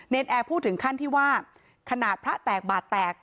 แอร์พูดถึงขั้นที่ว่าขนาดพระแตกบาดแตก